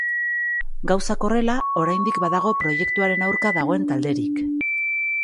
Gauzak horrela, oraindik badago proiektuaren aurka dagoen talderik.